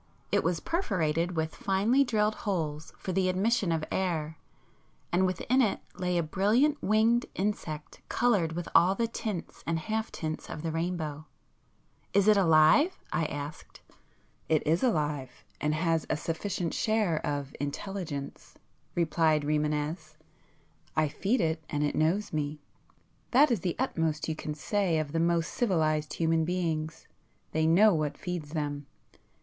It was perforated with finely drilled holes for the admission of air, and within it lay a brilliant winged insect coloured with all the tints and half tints of the rainbow. "Is it alive?" I asked. "It is alive, and has a sufficient share of intelligence,"—replied Rimânez. "I feed it and it knows me,—that is the utmost you can say of the most civilized human beings; they know what feeds them.